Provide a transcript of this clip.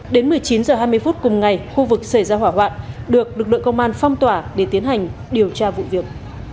đến một mươi chín h hai mươi phút cùng ngày khu vực xảy ra hỏa hoạn được lực lượng công an phong tỏa để tiến hành điều tra vụ việc